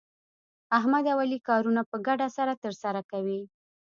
احمد او علي کارونه په ګډه سره ترسره کوي.